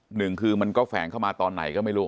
หนึ่งคือมันก็แฝงเข้ามาตอนไหนก็ไม่รู้